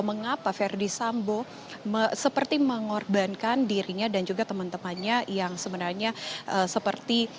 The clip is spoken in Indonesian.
mengapa ferdi sambo seperti mengorbankan dirinya dan juga teman temannya yang sebenarnya seperti